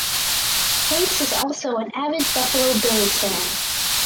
Hanks is also an avid Buffalo Bills fan.